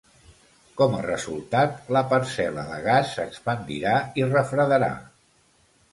Com a resultat, la parcel·la de gas s'expandirà i refredarà.